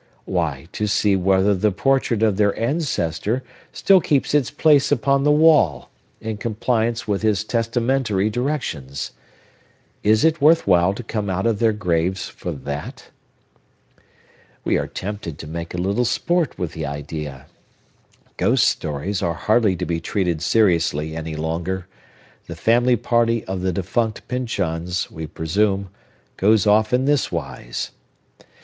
Why, to see whether the portrait of their ancestor still keeps its place upon the wall, in compliance with his testamentary directions! Is it worth while to come out of their graves for that? We are tempted to make a little sport with the idea. Ghost stories are hardly to be treated seriously any longer. The family party of the defunct Pyncheons, we presume, goes off in this wise.